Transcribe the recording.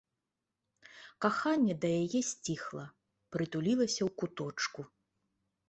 Каханне да яе сціхла, прытулілася ў куточку.